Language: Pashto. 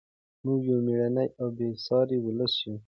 موږ یو مېړنی او بې ساري ولس یو.